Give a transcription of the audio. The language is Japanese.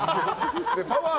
パワー！